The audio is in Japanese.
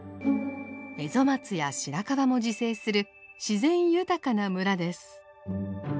エゾマツやシラカバも自生する自然豊かな村です。